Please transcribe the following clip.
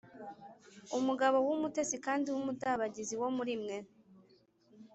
“Umugabo w’umutesi kandi w’umudabagizi wo muri mwe,